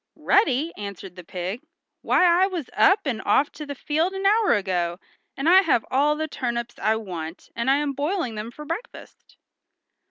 "Ready!" answered the pig. "Why I was up and off to the field an hour ago and I have all the turnips I want, and I'm boiling them for breakfast."